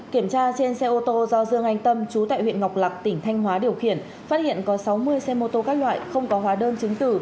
kiểm tra trên xe ô tô do dương anh tâm chú tại huyện ngọc lạc tỉnh thanh hóa điều khiển phát hiện có sáu mươi xe mô tô các loại không có hóa đơn chứng tử